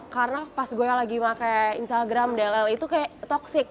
karena pas gue lagi pakai instagram dll itu kayak toxic